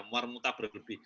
mual muntah berlebih